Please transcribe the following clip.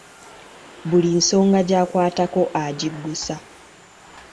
Buli nsonga gy’akwatako agiggusa.